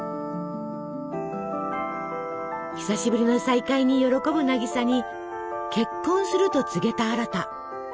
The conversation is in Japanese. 久しぶりの再会に喜ぶ渚に結婚すると告げたアラタ。